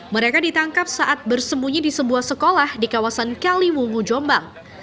mereka ditangkap saat bersembunyi di sebuah sekolah di kawasan kaliwungu jombang